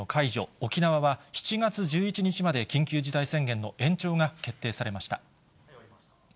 沖縄は７月１１日まで緊急事態宣言の延長が決定されました。